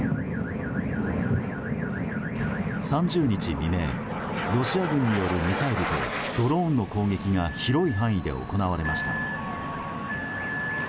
３０日未明、ロシア軍によるミサイルとドローンの攻撃が広い範囲で行われました。